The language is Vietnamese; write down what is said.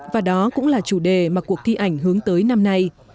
và đó cũng là chủ đề mà cuộc thi ảnh hướng tới năm nay